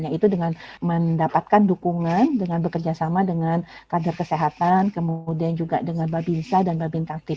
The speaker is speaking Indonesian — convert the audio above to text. yaitu dengan mendapatkan dukungan dengan bekerjasama dengan kader kesehatan kemudian juga dengan babinsa dan babin taktib